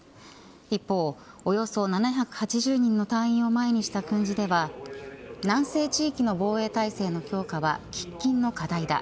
一方、およそ７８０人の隊員を前にした訓示では南西地域の防衛体制の強化は喫緊の課題だ。